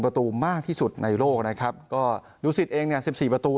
ประตูมากที่สุดในโลกนะครับก็ดูสิตเองเนี่ยสิบสี่ประตู